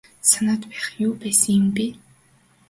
Санаад байх юу байсан юм бэ.